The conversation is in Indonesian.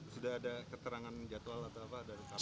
sudah ada keterangan jadwal atau apa